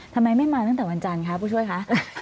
ทำไมไม่มาตั้งแต่วันจันทร์คะผู้ช่วยคะ